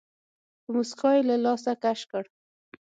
په موسکا يې له لاسه کش کړ.